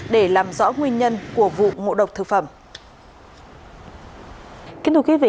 để làm rõ nguyên nhân của vụ ngộ độc thực phẩm